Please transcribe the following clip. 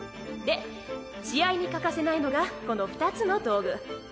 で試合に欠かせないのがこの２つの道具。